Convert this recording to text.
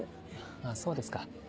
あそうですか。